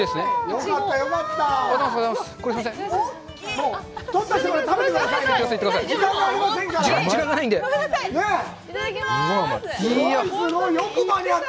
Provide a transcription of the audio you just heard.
よかった、よかった。